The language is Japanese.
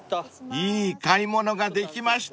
［いい買い物ができましたね］